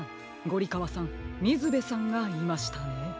ゴリかわさんみずべさんがいましたね。